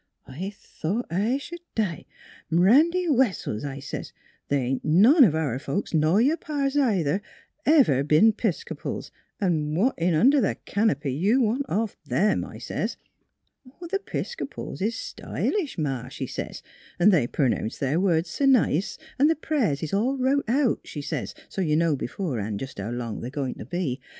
I thought I sh'd die. ' M 'randy Wessels,' I sez, ' the ain't none of our folks nor your pa's neither, ever b'en 'Piscopals. 'N' what in under the canopy yoit 224 THE HEAET OF PHILUEA want off them.' I sez. ' The 'Piscopals is s' sty lish, Ma,' she sez ;' an' they pernounce their words s' nice, an' the prayers is all wrote out,' she sez, * so you know b'forehan' jest how long they're goin' t' be.'